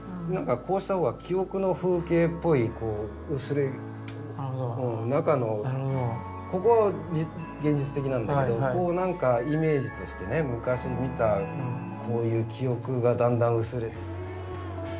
こうした方が記憶の風景っぽいこう薄れゆく中のここは現実的なんだけどこうなんかイメージとしてね昔見たこういう記憶がだんだん薄れて。